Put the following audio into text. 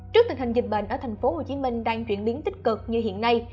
trước tình hình dịch bệnh ở tp hcm đang chuyển biến tích cực như hiện nay